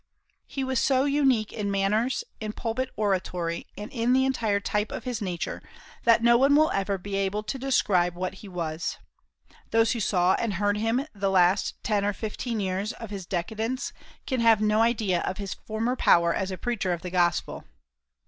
He was so unique in manners, in pulpit oratory, and in the entire type of his nature, that no one will ever be able to describe what he was. Those who saw and heard him the last ten or fifteen years of his decadence can have no idea of his former power as a preacher of the Gospel.